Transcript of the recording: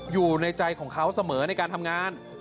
อยู่ในใจของเขาเสมอในการทำงาน